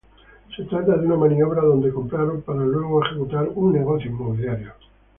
Se trata de una maniobra donde compraron para luego ejecutar un negocio inmobiliario.